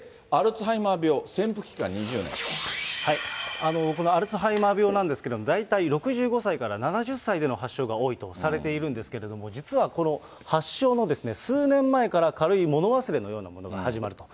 で、アルツこのアルツハイマー病なんですけれども、大体６５歳から７０歳での発症が多いとされているんですけれども、実はこの発症の数年前から軽い物忘れのようなものが始まると。